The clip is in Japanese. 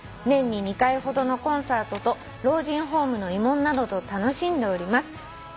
「年に２回ほどのコンサートと老人ホームの慰問などと楽しんでおります」